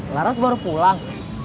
laras baru pulang